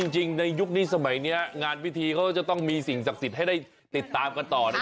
จริงในยุคนี้สมัยนี้งานพิธีเขาจะต้องมีสิ่งศักดิ์สิทธิ์ให้ได้ติดตามกันต่อนะ